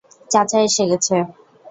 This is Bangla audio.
চাচা এসে গেছে।